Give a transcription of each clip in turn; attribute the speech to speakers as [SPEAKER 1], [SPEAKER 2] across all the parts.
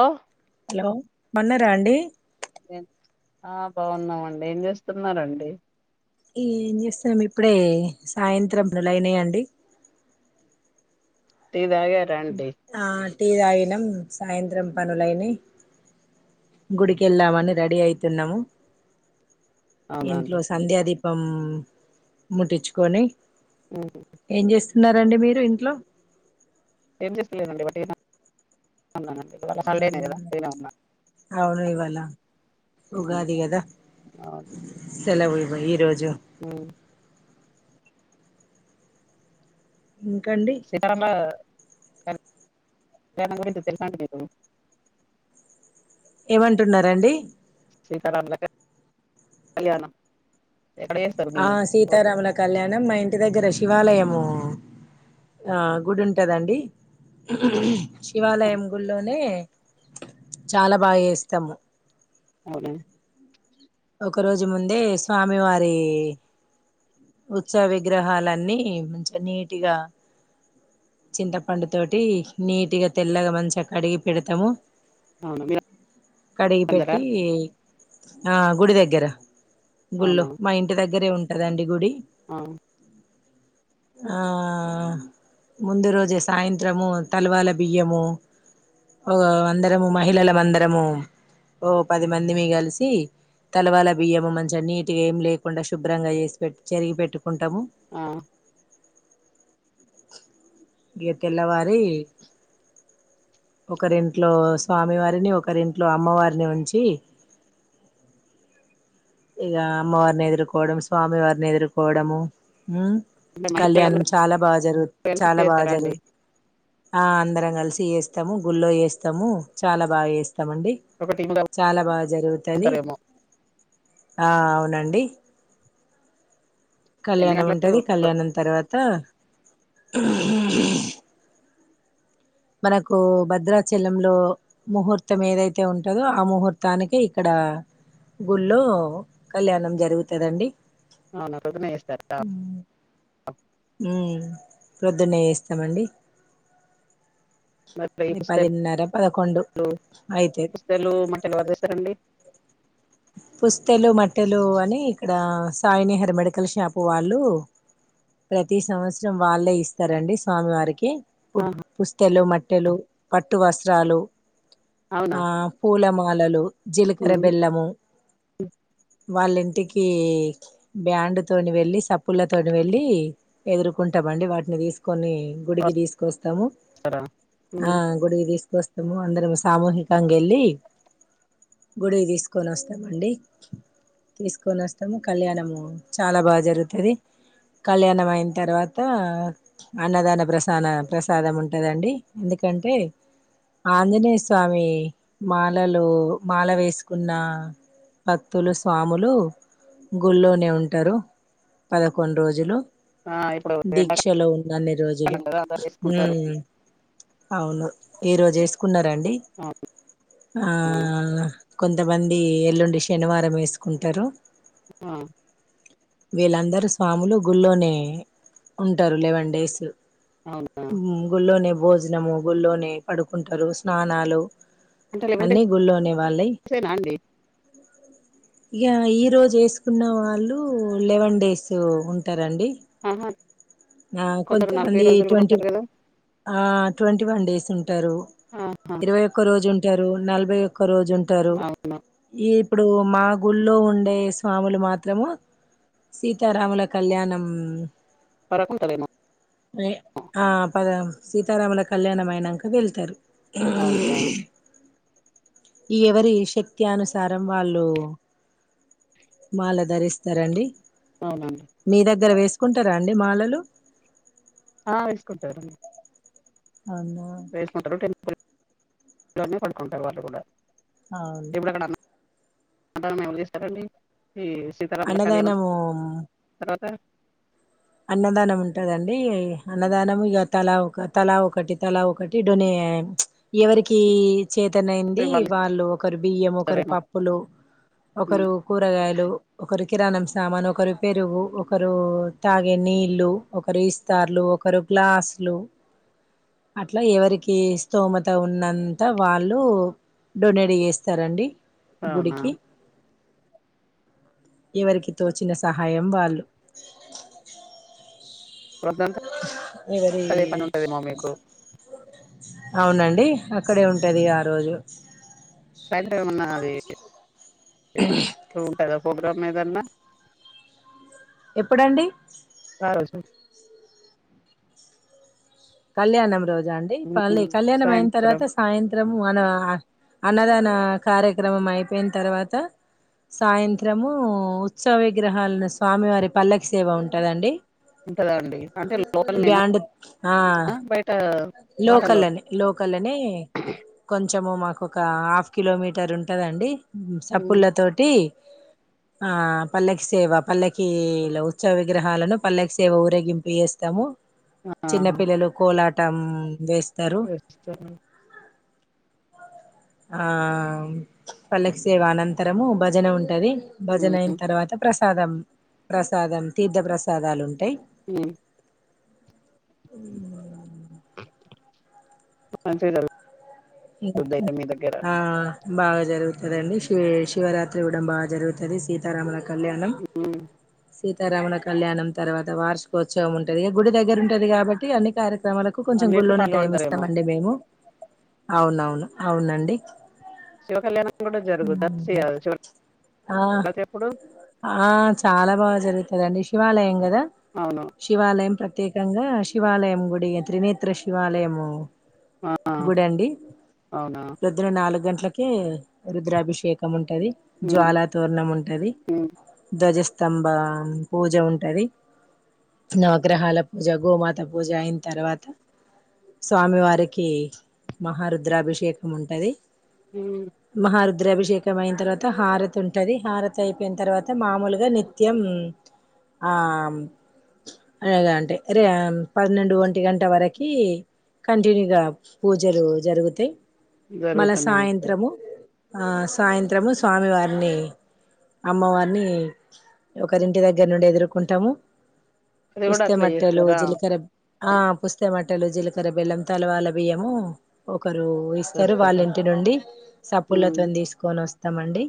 [SPEAKER 1] ఓ
[SPEAKER 2] hello బన్నారా అండి
[SPEAKER 1] హా బాగున్నామండి ఏం చేస్తున్నారండి
[SPEAKER 2] ఏం చేస్తాం ఇప్పుడే సాయంత్రం బ్లులయినాయండి
[SPEAKER 1] తెవ్ తాగారండి
[SPEAKER 2] ఆ టీ తాగినం సాయంత్రం పనులైనయ్ గుడికెళ్ళామని రెడీ అయితున్నాము
[SPEAKER 1] అవునండి
[SPEAKER 2] ఇంట్లో సంధ్యది పం ముట్టిచుకొని
[SPEAKER 1] ఊ
[SPEAKER 2] ఉన్నారండి మీరు ఇంట్లో
[SPEAKER 1] ఏం చేసుకోలేనండి వటిగున
[SPEAKER 2] అవును ఇవాల
[SPEAKER 1] ఉహు.
[SPEAKER 2] ఉగాది గదా సెలవు ఇ ఈ రోజు
[SPEAKER 1] ఊ
[SPEAKER 2] ఇంకండి
[SPEAKER 1] సీతరాం ల గయిన గురించి తెలుసా అండీ మీకు
[SPEAKER 2] ఏమంటున్నారండి
[SPEAKER 1] సీతారామ్ ల అ కళ్యాణ
[SPEAKER 2] ఆ సీతారాముల కళ్యాణం మా ఇంటి దగ్గర శివాలయము. ఆ గుడి ఉంటదండి. శివాలయం గుల్లోనే! చాలా బాగా చేస్తాము.
[SPEAKER 1] మరి
[SPEAKER 2] ఒక రోజు ముందే స్వామి వారి ఉత్సవ విగ్రహాలన్నీ మంచిగా నీటుగా చింతపండు తోటి నీటుగా తెల్లగా మంచిగా కడిగి పెడతాము.
[SPEAKER 1] అవును మీరు
[SPEAKER 2] కడిగి
[SPEAKER 1] అందరా
[SPEAKER 2] పెట్టి. ఆ గుడి దగ్గర.
[SPEAKER 1] అవునా
[SPEAKER 2] గుళ్ళో మాయింటిదగ్గర. దగ్గరే ఉంటాదండి గుడి.
[SPEAKER 1] ఆ
[SPEAKER 2] ఆ ముందు రోజే సాయంత్రము తలవాల బియ్యము ఒక అందరము మహిళల మందరము ఓ పది మందిమి కలిసి. తలవాల బియ్యము మంచిగా నీటిగా ఏం లేకుండా శుభ్రంగా చేసి పెట్ చెరిగి పెట్టు. కొంటాము.
[SPEAKER 1] ఆ
[SPEAKER 2] ఇ తెల్లవారి, ఒకరింట్లో స్వామివారిని, ఒకరింట్లో అమ్మవారిని ఉంచి. ఇక అమ్మవారిని ఎదుర్కోవడం, స్వామి వారిని ఎదుర్కోవడము హ్మ్!
[SPEAKER 1] అంటే
[SPEAKER 2] కళ్యాణం
[SPEAKER 1] మహిళలందరూ
[SPEAKER 2] చాలా బాగా జరుగు
[SPEAKER 1] కలిసి
[SPEAKER 2] చాలా బాగా
[SPEAKER 1] చేస్తారా అండి
[SPEAKER 2] జరుగుతు ఆ అందరం కలిసి చేేస్తాము గుళ్ల్లో వేస్తాము చాలా బాగా వేస్తాము. వస్తామండి.
[SPEAKER 1] ఒక టీమ్ గా
[SPEAKER 2] చాలా బాగా జరుగుతుంది.
[SPEAKER 1] ఉంటారేమో
[SPEAKER 2] ఆ అవునండి.
[SPEAKER 1] ఎన్ని
[SPEAKER 2] కళ్యాణం
[SPEAKER 1] గంటలకు
[SPEAKER 2] ఉంటది, కళ్యాణం తర్వాత త [unintelligible] మనకు భద్రాచలంలో ముహూర్తం ఏదైతే ఉంటాదో ఆ ముహూర్తానికి ఇక్కడ గుళ్ళో కళ్యాణం జరుగుతుందండి.
[SPEAKER 1] అవునా పొద్దునే చేస్తారట.
[SPEAKER 2] హ్మ్! ప ప్రొద్దున్నే చేస్తామండి.
[SPEAKER 1] మరి [unintelligible]
[SPEAKER 2] అది
[SPEAKER 1] పుస్తెలు
[SPEAKER 2] పదిన్నర పదకొండు అయితది
[SPEAKER 1] పుస్తెలు మంటలు ఎవరుతేస్తారండి.
[SPEAKER 2] పుస్తెలు మట్టెలు అని ఇక్కడ సాయి నిహర్ మెడికల్ షాపు వాళ్ళు ప్రతి సంవత్సరం వాళ్ళే ఇస్తారండి స్వామివారికి పుట్
[SPEAKER 1] ఆహా
[SPEAKER 2] పుస్తెలు మట్టెలు. పట్టు వస్త్రాలు.
[SPEAKER 1] అవునా
[SPEAKER 2] ఆ పూలమొ అలలు జీలకర్ర,
[SPEAKER 1] ఉమ్
[SPEAKER 2] బెల్లము.
[SPEAKER 1] [inaudible]
[SPEAKER 2] వాళ్ళ ఇంటికి బ్యాండ్ తోని వెళ్ళి సప్పల్లతోటి వెళ్ళల ఎదుర్కుంటామండి వాటిని తీసుకు. కొన్ని గుడికి తీసుకొస్తాము
[SPEAKER 1] వస్తారా
[SPEAKER 2] ఆ
[SPEAKER 1] ఉమ్
[SPEAKER 2] గుడికి తీసుకొస్తా. మేము అందరము సామూహికంగా వెళ్ళి గుడి తీసుకొని వస్తా వస్తామండి తీసుకొని వస్తాము కళ్యాణము చాలా బాగా జరుగుతది కళ్యాణం అయిన తర్వాత అన్నదాన ప్రసాన ప్రసాదం ఉంటదండి ఎందుకంటే ఆంజనేయ స్వామి మాలలు మాల వేసుకున్న భక్తులు స్వాములు గుళ్ళోనే ఉంటారు పదకొండు రోజులు
[SPEAKER 1] ఆ ఇప్పుడు
[SPEAKER 2] దీక్షలో ఉన్నన్ని రోజులు
[SPEAKER 1] ఎండాకాలం కదా అందరు వేసుకుంటారు
[SPEAKER 2] హ్మ్ అవును ఈ రోజు వేసుకున్నారండి ఆ
[SPEAKER 1] అవునా
[SPEAKER 2] కొంతమందీ ఎల్లుండి శనివారం వేసుకుంటారు
[SPEAKER 1] ఆ
[SPEAKER 2] వీళ్ళందరూ స్వాములు గుళ్ళోనే ఉంటారు లెవెన్ డేస్
[SPEAKER 1] అవునా
[SPEAKER 2] గుళ్ళోనే భోజనము గుళ్ళోనే పడుకుంటారు స్నానాలు
[SPEAKER 1] అంటే లెవెన్
[SPEAKER 2] అన్నీ గుళ్ళోని వాళ్ళై
[SPEAKER 1] డేస్ ఏనా అండి
[SPEAKER 2] ఇక ఈ రోజు వేసుకున్న వాళ్ళు లెవెన్ డేస్ ఉంట రండి
[SPEAKER 1] ఆహా
[SPEAKER 2] ఆ
[SPEAKER 1] కొందరు నలభై
[SPEAKER 2] కొంతమంది
[SPEAKER 1] రోజులు కూడా
[SPEAKER 2] ట్వంటీ
[SPEAKER 1] ఉంటారు కదా
[SPEAKER 2] ఆ ట్వంటీ వన్ డేస్ ఉం టారు
[SPEAKER 1] ఆహా
[SPEAKER 2] ఇరవై ఒక్క రోజు ఉం ారు నలభై ఒక్ రోజు ఉంటారు
[SPEAKER 1] అవునా
[SPEAKER 2] ఈప్ ఇప్పుడు మా గుళ్ళో ఉండే స్వాములు మాత్రము సీతారాముల కళ్యాణం
[SPEAKER 1] పడకుంటదేమో
[SPEAKER 2] ఆ పద సీతారాముల కళ్యాణం అయినాక వెళ్తారు ఆ
[SPEAKER 1] అవునా
[SPEAKER 2] [unintelligible] ఈ ఎవరి శక్తి అనుసారం వాళ్ళు మాల ధరిస్తారండి
[SPEAKER 1] అవునండి
[SPEAKER 2] నీ దగ్గర వేసి కుంటారా అండి మాలలు
[SPEAKER 1] ఆ వేసుకుంటారండి
[SPEAKER 2] అవుమ [unintelligible]
[SPEAKER 1] ఇంట్లోనే పడుకుంటారు వాళ్ళు కూడా
[SPEAKER 2] అవును
[SPEAKER 1] అంట [unintelligible] ఎవరు చేస్తారండి ఈ సీతారాముల కళ్యాణం
[SPEAKER 2] అన్నదానము
[SPEAKER 1] తర్వాత
[SPEAKER 2] అన్నదానం ఉంటదండి అన్నదానం ఇక తలా ఒక తలా ఒకటి తలా ఒకటి డొనే ఎవరికీ చేతన్ అయింది వాళ్ళు ఒకరు బియ్యం ఒకరు
[SPEAKER 1] ఇస్తారేమో
[SPEAKER 2] పప్పులు
[SPEAKER 1] ఉమ్
[SPEAKER 2] ఒకరు కూరగాయలు ఒకరు కిరాణం సామాను ఒకరు పెరుగు ఒకరూ తాగే నీళ్ళు ఒకరు విస్తార్లు ఒకరు గ్లాస్ లు అట్లా ఎవరికి స్తోమత ఉన్నంత వాళ్ళు డొనేట్ చేస్తారండి
[SPEAKER 1] అవునా
[SPEAKER 2] గుడికి ఎవరికి తోచిన సహా ఐ యం బాలు
[SPEAKER 1] వద్దంత.
[SPEAKER 2] ఎవరి
[SPEAKER 1] పనే పని ఉంటుదమ్ో మీకు
[SPEAKER 2] అవునండి అక్కడే ఉంటాది ఆ రోజు
[SPEAKER 1] సాయంత్రం ఏమైనా క [unintelligible] పోగ్రామ్ ఏదన్న
[SPEAKER 2] ఎప్పుడండి
[SPEAKER 1] స స [inaudible]
[SPEAKER 2] కళ్యాణం రోజ్ జ ఆండీ.
[SPEAKER 1] ఉమ్
[SPEAKER 2] పల్లె కళ్యాణం అయిన
[SPEAKER 1] సాయంత్రం
[SPEAKER 2] తర్వాత సాయంత్ర ము అన్న అన్నదాన కార్యక్రమం అయిపోయిన తర్వాత సాయంత్రము ఉత్సవ విగ్రహాలను స్వామివారి పల్లకి సేవ ఉంటదండి
[SPEAKER 1] ఉంటదా అండి అంటే లో ననా
[SPEAKER 2] ఆ లోకల్ అని లోకల్ అని కొంచెము మాక్ ఒక హాఫ్ కిలోమీటర్ ఉంటుందండి
[SPEAKER 1] ఉమ్
[SPEAKER 2] సప్పుల తోటి ఆ పల్లకి సేవ పల్లకిీలో ఉత్సవ విగ్రహాలను పల్లకి సేవ ఊరేగింపు చేేస్తాము చిన్న పిల్లలు కోలా టం వేస్
[SPEAKER 1] అా [inaudible]
[SPEAKER 2] ఆ పల్లకి సేవ అనంతరము భజన ఉంటది భజన అయిన తర్వాత ప్రస్తు ప్రసాదం ప్రసాదం తీర్థ ప్రసాదాలు ఉంటాయి
[SPEAKER 1] హ
[SPEAKER 2] ఉ
[SPEAKER 1] స [inaudible]
[SPEAKER 2] ఆ బాగా జరుగుతుందిండి శివ శివరాత్రి కుడా బాగా జరుగుతుంది సీతారాముల కళ్యాణం
[SPEAKER 1] ఉమ్
[SPEAKER 2] సీతారామణ కళ్యాణం తర్వాత వార్షికోత్సవం ఉంటుంది ఇక గుడి దగ్గర ఉంటది కాబట్టి అన్ని కార్య కు కొంచెం
[SPEAKER 1] అన్నిటికి
[SPEAKER 2] గులునే టైం
[SPEAKER 1] పాల్గొంటారేమో
[SPEAKER 2] ఇస్తామండి మేము అవునవును అవునండి
[SPEAKER 1] శివ కళ్యాణం కూడా జరుగుద
[SPEAKER 2] ఆ
[SPEAKER 1] [inaudible] అది ఎప్పుడు
[SPEAKER 2] ఆ చాలా బాగా జరుగుతదండి శివాలయంగా ద
[SPEAKER 1] అవును
[SPEAKER 2] శివాలయం ప్రక్ ప్రత్యేకంగా శివాలయం గుడి త్రినేత్ర శివాలయము
[SPEAKER 1] ఆ
[SPEAKER 2] గుడండి
[SPEAKER 1] అవునా
[SPEAKER 2] ప్రొద్దున నాలుగు గంటల్ ట్లకే రుద్రాభిషేకం ఉం టది
[SPEAKER 1] ఉమ్,
[SPEAKER 2] జ్వాలా తోరణం ఉంటది
[SPEAKER 1] ఉమ్,
[SPEAKER 2] దజస్ స్తంభ పూజ ఉంటది నవగ్రహాల పూజ గోమాత పూజ అయిన తర్వాత స్వామి వారికి మహారుద్రాభిషేకం ఉంటది
[SPEAKER 1] ఉమ్,
[SPEAKER 2] మహారః ద్రాభిషేకం అయిన తర్వాత హారత్ ఉంటుది హారత్ అయి పోయిన తర్వాత మామూలుగా నిత్యం ఆమ్ ఇగ అంటే రే పన్నెండు ఒంటి గంట వరకి కంటిన్యూగా పూజలు జరుగుతై మళ్ల
[SPEAKER 1] జరుగుతూనే ఉంటాయి
[SPEAKER 2] సాయంత్రము సాయంత్రము స్వామివారిని అమ్మవారిని ఒకరింటి దగ్గర నుండి ఎదుర్కుంటాము
[SPEAKER 1] అది కూడా
[SPEAKER 2] పుస్తె
[SPEAKER 1] అట్లా
[SPEAKER 2] మెట్టెలు
[SPEAKER 1] చేస్తారా
[SPEAKER 2] జిలికర్ర ఆ పుస్త మట్ట్ ట్టలు జీలకర్ర బెల్లం తలవాల బియ్యము ఒకరు ఇస్తారు వాళ్ళ
[SPEAKER 1] చేస్తారా
[SPEAKER 2] ఇంటి నుండి
[SPEAKER 1] ఉమ్,
[SPEAKER 2] సప్పుడ్లతోని తీసుకొని వస్త్ తమండి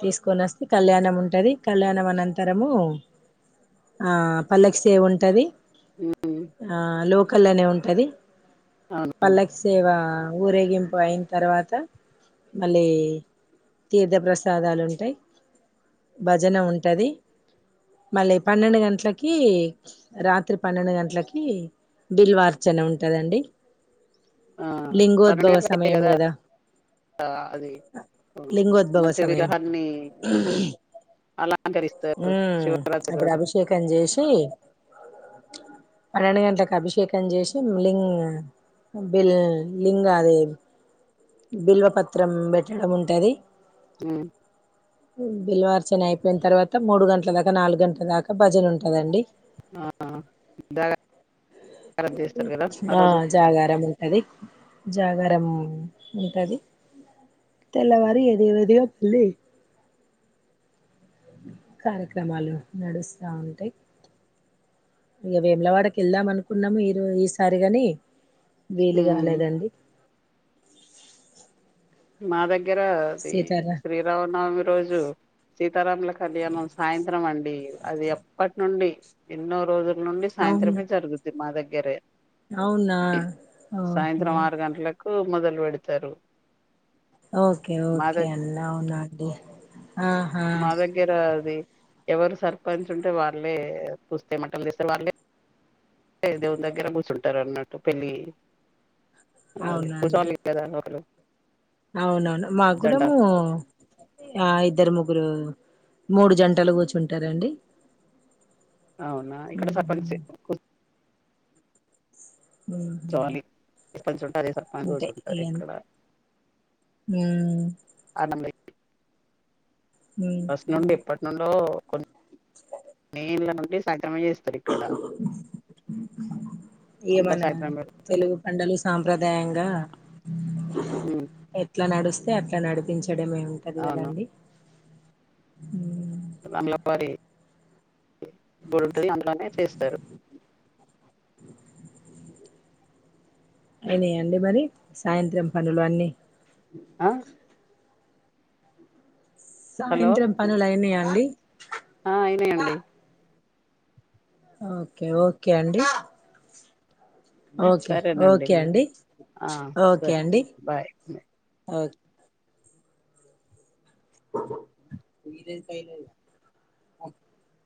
[SPEAKER 2] తీస్ కొనొస్తే కళ్యాణం ఉంటుంది కళ్యాణం అనంతరము ఆ పల్లక్ సేవ ఉంటుంది
[SPEAKER 1] ఉమ్,
[SPEAKER 2] ఆ లో కళ్ళనే ఉంటది
[SPEAKER 1] అవునవును
[SPEAKER 2] పల్లకీ సేవా ఊరేగింపు అయిన తర్వాత మళ్ళీ తీర్థప్రసాదాలుంటాయ్ భజన ఉంటది మళ్ళీ పన్నెండు గంట్లకి రాత్రి పన్నెండు గంట్లకి బిల్వార్చన ఉంటదండి
[SPEAKER 1] ఆ
[SPEAKER 2] లింగోద్భవ
[SPEAKER 1] పన్నేండు గంటల
[SPEAKER 2] సమయం
[SPEAKER 1] కదా అది మంచి విగ్రహాన్ని అలంకరిస్తారు
[SPEAKER 2] మ్మ్
[SPEAKER 1] శివరాత్రి
[SPEAKER 2] అప్పుడు
[SPEAKER 1] రోజు
[SPEAKER 2] అభిషేకం చేేస్ తీ పన్నెండు గంటలకు అభిషేకం చేసి లింగ్ బిల్ లింగ్ అది బిల్వ పత్రం బెట్టడం ఉంటది
[SPEAKER 1] మ్మ్
[SPEAKER 2] బిల్వార్చన అయిపోయిన తర్వాత మూడు గంటలదాకా నాలుగు గంటలదాకా భజన ఉంటదండి
[SPEAKER 1] ఆ జాగారం చేస్తారు కదా
[SPEAKER 2] ఆ
[SPEAKER 1] రోజు
[SPEAKER 2] జాగారం ఉంటది జాగారం ఉంటది తెల్లవారు ఏదవిదిగా మళ్ళీ కార్యక్రమాలు నడుస్తా ఉంటాయ్ ఇగ వేమలవాడకి వెళ్దాం అనుకున్నాము ఈరో ఈసారిగాని వీలు కాలేదండి
[SPEAKER 1] మాదగ్ గ్గరది
[SPEAKER 2] సీతారా
[SPEAKER 1] శ్రీరామనవమి రోజు సీతారాముల కళ్యాణం సాయంత్రం అండి అది అప్పటి నుండి ఎన్నో రోజు నుండి
[SPEAKER 2] అవును
[SPEAKER 1] సాయంత్రమె జరుగుంది మా దగ్గ గరే
[SPEAKER 2] అవునా ఓహో
[SPEAKER 1] కు మొదలు పెడతారు
[SPEAKER 2] ఓకే ఓకే అన్నా అవున అండి ఆహా
[SPEAKER 1] మాదగ్గర అది ఎవరు సర్పంచ్ ఉంటే వాళ్ళే పుస్తే మట్టేల్ తెస్తరు వాళ్ళే దేవుని దగ్గర కూసుంటరు అన్నట్టు పెళ్ళి అదే
[SPEAKER 2] అవునా అండి
[SPEAKER 1] కూసోవాలి కదా ఒకరు
[SPEAKER 2] అవునవును మాకు
[SPEAKER 1] జంట
[SPEAKER 2] కూడాము ఆ ఇద్దరు ముగ్గురు మూడు జంటలు కూర్చుంటారండి
[SPEAKER 1] అవునా ఇక్కడ
[SPEAKER 2] ఉహు
[SPEAKER 1] సర్పంచ్
[SPEAKER 2] ఉహు
[SPEAKER 1] ఎప్పంచ్చో మాజీ సర్పంచ్
[SPEAKER 2] ఉంటాయి
[SPEAKER 1] కుసుంటారు
[SPEAKER 2] ఇగ
[SPEAKER 1] ఇక్కడ
[SPEAKER 2] ఉమ్
[SPEAKER 1] అన్నంలే
[SPEAKER 2] ఉమ్
[SPEAKER 1] ఫస్ట్ నుండి ఇప్పటి నుండో నీళ్లను లే స
[SPEAKER 2] ఇగ
[SPEAKER 1] అందరు
[SPEAKER 2] మన
[SPEAKER 1] సాయంత్రం పెడతారు
[SPEAKER 2] తెలుగు పండలు సాంప్రదాయంగా
[SPEAKER 1] ఉమ్,
[SPEAKER 2] ఎట్లా నడుస్తే అట్లా నడిపించడం ఏ ఉంటది
[SPEAKER 1] అవును
[SPEAKER 2] కదండి ఉం
[SPEAKER 1] రామ్లావారి గుడి ఉంటది అందులోనే చేస్ సరూ
[SPEAKER 2] అయినయండి మరి సాయంత్రం పనులు అన్నీ
[SPEAKER 1] ఆ హలో
[SPEAKER 2] సాయంత్రం పనులయిన అండి
[SPEAKER 1] ఆ ఐయినయండి
[SPEAKER 2] ఓకే ఓకే అండి ఓకే
[SPEAKER 1] సరేనండి
[SPEAKER 2] ఓకే
[SPEAKER 1] మరి
[SPEAKER 2] అండి
[SPEAKER 1] ఆ,
[SPEAKER 2] ఓకే
[SPEAKER 1] సరే
[SPEAKER 2] అండి
[SPEAKER 1] బాయ్
[SPEAKER 2] ఓకే క [unintelligible]